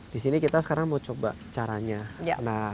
di sini kita sekarang mau coba caranya